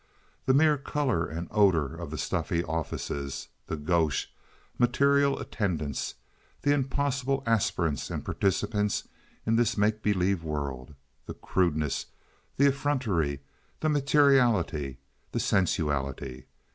The mere color and odor of the stuffy offices, the gauche, material attendants, the impossible aspirants and participants in this make believe world! The crudeness! The effrontery! The materiality! The sensuality!